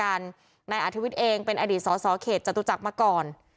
อัธยุทธกรรมเป็นอดีตสอบสศเขตจศกร